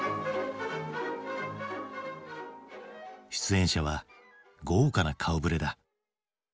出演者は豪華な顔ぶれだ。